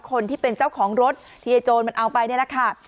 คนที่เป็นเจ้าของรถที่ไอ้โจรมันเอาไปนี่แหละค่ะ